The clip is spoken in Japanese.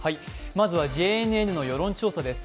まずはＪＮＮの世論調査です。